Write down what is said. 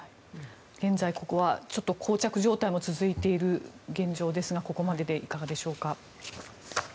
現在ここは膠着状態も続いている現状ですがここまででいかがでしょうか？